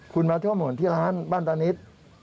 คุณมาที่ข้อมูลที่ร้านบ้านตะนิด